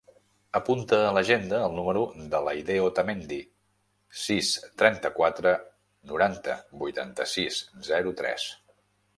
Apunta a l'agenda el número de l'Aidé Otamendi: sis, trenta-quatre, noranta, vuitanta-sis, zero, tres.